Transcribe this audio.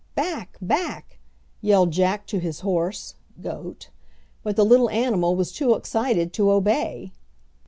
"Back! back!" yelled Jack to his horse (goat), but the little animal was too excited to obey.